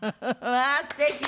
わあーすてき。